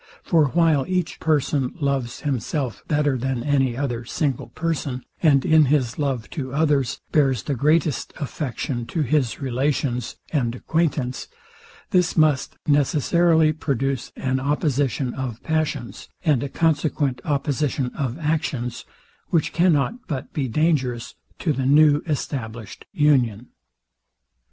For while each person loves himself better than any other single person, and in his love to others bears the greatest affection to his relations and acquaintance, this must necessarily produce an oppositon of passions, and a consequent opposition of actions; which cannot but be dangerous to the new established union.